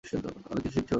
অনেক কিছু শিখছ?